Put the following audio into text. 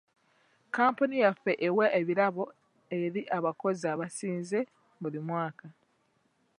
Kampuni yaffe ewa ebirabo eri abakozi abasinze buli mwaka.